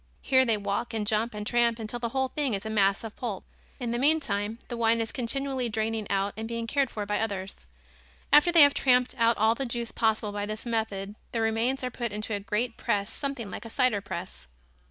Here they walk and jump and tramp until the whole thing is a mass of pulp. In the meantime, the wine is continually draining out and being cared for by others. After they have tramped out all the juice possible by this method the remains are put into a great press something like a cider press.